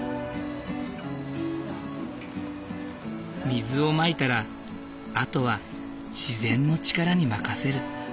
水をまいたらあとは自然の力に任せる。